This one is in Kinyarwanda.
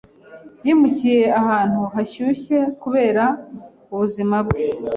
Yimukiye ahantu hashyushye kubera ubuzima bwe.